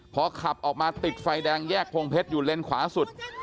พอขับออกมาติดไฟแดงแยกพงเพชรอยู่เลนขวาสุด